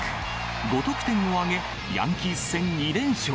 ５得点を挙げ、ヤンキース戦２連勝。